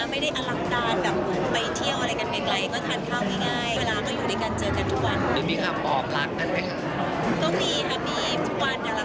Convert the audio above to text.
ไม่ได้อรักษ์ด้านแบบไปเที่ยวอะไรกันเก่งไร